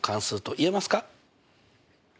言えます。